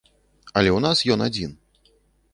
Але ў нас ён адзін.